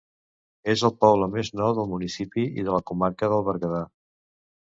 És el poble més nou del municipi i de la comarca del Berguedà.